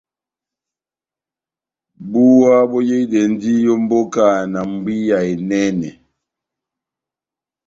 Búwa boyehidɛndi ó mbóka na mbwiya enɛnɛ.